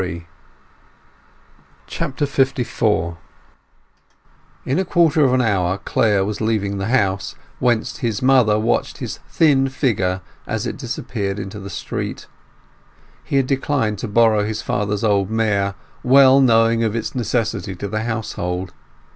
LIV In a quarter of an hour Clare was leaving the house, whence his mother watched his thin figure as it disappeared into the street. He had declined to borrow his father's old mare, well knowing of its necessity to the household.